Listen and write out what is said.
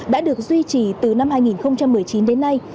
đã được duy trì từ năm hai nghìn một mươi chín đến nay